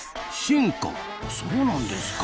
そうなんですか。